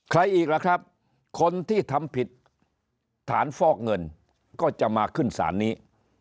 อีกล่ะครับคนที่ทำผิดฐานฟอกเงินก็จะมาขึ้นศาลนี้